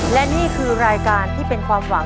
และนี่คือรายการที่เป็นความหวัง